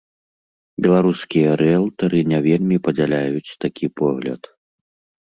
Беларускія рыэлтары не вельмі падзяляюць такі погляд.